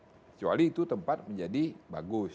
kecuali itu tempat menjadi bagus